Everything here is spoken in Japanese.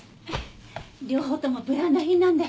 両方ともブランド品なんで。